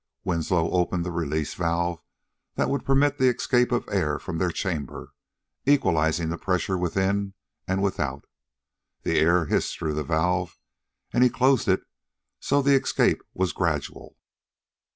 Winslow opened the release valve that would permit the escape of air from their chamber, equalizing the pressures within and without. The air hissed through the valve, and he closed it so the escape was gradual.